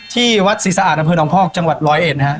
ที่วัดศิษะอาทนพอจังหวัดร้อยเอ็น